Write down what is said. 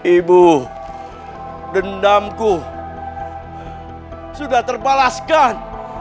ibu dendamku sudah terbalaskan